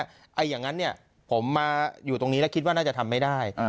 อย่างนั้นเนี่ยผมมาอยู่ตรงนี้แล้วคิดว่าน่าจะทำไม่ได้